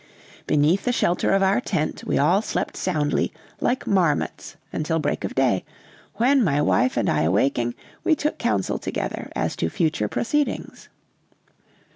Beneath the shelter of our tent, we all slept soundly, like marmots, until break of day; when, my wife and I awaking, we took counsel together as to future proceedings.